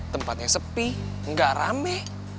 tempatnya sepi gak rame